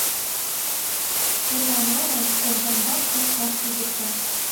Эпанайлан коҥгамбак кочкаш кӱзыкта.